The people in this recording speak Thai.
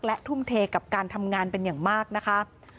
และทุ่มเทกับการทำงานเป็นอย่างมากนะคะ